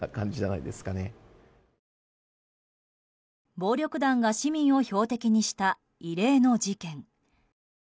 暴力団が市民を標的にした異例の事件。